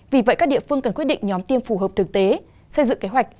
vì vậy các địa phương cần quyết định nhóm tiêm phù hợp thực tế xây dựng kế hoạch